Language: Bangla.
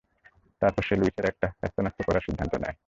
তারপর সে লুইসের একটা হ্যাস্তন্যাস্ত করার সিদ্ধান্ত নেয়।